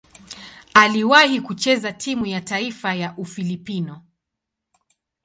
Aliwahi kucheza timu ya taifa ya Ufilipino.